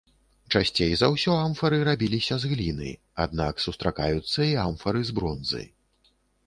Часцей за ўсё амфары рабіліся з гліны, аднак сустракаюцца і амфары з бронзы.